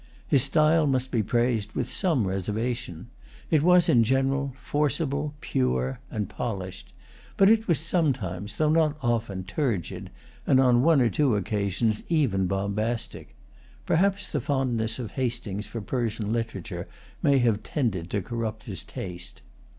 His style must be praised with some reservation. It was in general forcible, pure, and[Pg 199] polished; but it was sometimes, though not often, turgid, and, on one or two occasions, even bombastic. Perhaps the fondness of Hastings for Persian literature may have tended to corrupt his taste.